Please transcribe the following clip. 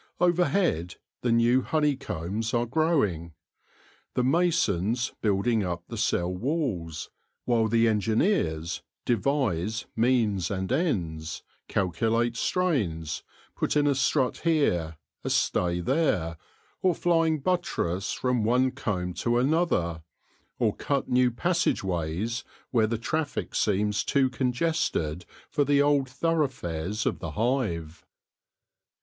Overhead the new honey combs are growing; the mason& building up the cell walls, while the engineers devist means and ends, calculate strains, put in a strut here, a stay there, or flying buttress from one comb to another, or cut new passage ways where the traffic seems too congested for the old thoroughfares of the hive.